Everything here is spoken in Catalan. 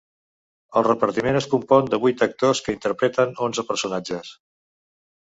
El repartiment es compon de vuit actors que interpreten onze personatges.